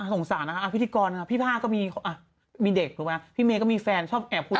สงสารนะครับพิธีกรนะครับพี่ภาคก็มีเด็กพี่เมย์ก็มีแฟนชอบแอบคุย